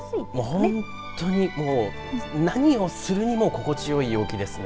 もう本当に何をするにも心地よい陽気ですね